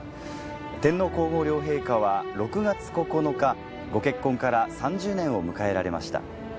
天皇皇后両陛下は６月９日ご結婚から３０年を迎えられました。